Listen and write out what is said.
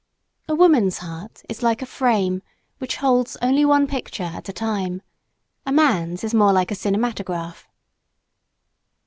A woman's heart is like a frame, which holds only one picture at a time; a man's is more like a cinemetograph.